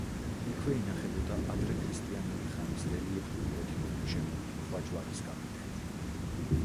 იქვე ინახებოდა ადრექრისტიანული ხანის რელიეფური კვეთილობით შემკული ქვაჯვარის კაპიტელი.